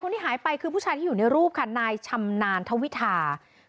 ที่หายไปคือผู้ชายที่อยู่ในรูปค่ะนายชำนาญทวิทา